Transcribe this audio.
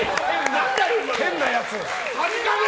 変なやつ。